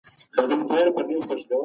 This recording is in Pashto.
تا نه منم دى نه منم